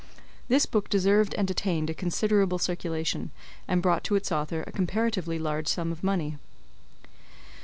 This book deserved and attained a considerable circulation, and brought to its author a comparatively large sum of money.